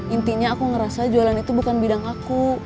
intinya aku ngerasa jualan itu bukan bidang aku